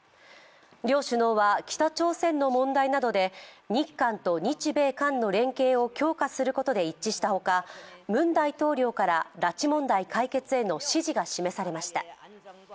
両首脳は北朝鮮の問題などで日韓と日米韓の連携を強化することで一致したほかムン大統領から拉致問題解決への支持が示されました。